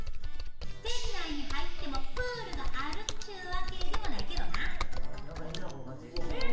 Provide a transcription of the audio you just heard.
店内に入ってもプールがあるっちゅうわけでもないけどな。